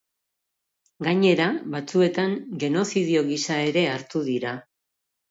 Gainera, batzuetan, genozidio gisa ere hartu dira.